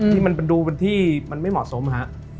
ที่มันดูเป็นที่มันไม่เหมาะสมฮะ